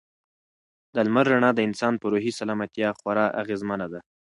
د لمر رڼا د انسان په روحي سلامتیا کې خورا اغېزمنه ده.